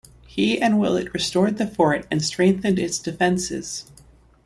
He and Willett restored the fort and strengthened its defenses.